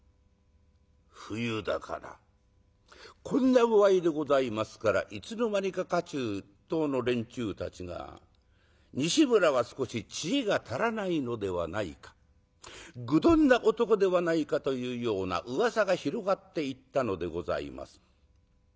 こんな具合でございますからいつの間にか家中一統の連中たちが「西村は少し知恵が足らないのではないか」「愚鈍な男ではないか」というような噂が広がっていったのでございます。